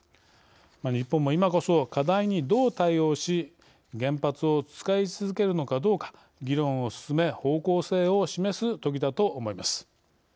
日本も今こそ、課題にどう対応し原発を使い続けるのかどうか議論を進め方向性を示すときだと思います。